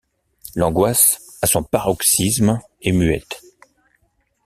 L’angoisse, à son paroxysme, est muette.